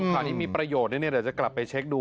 คราวนี้มีประโยชน์นี้เราจะกลับไปเช็คดู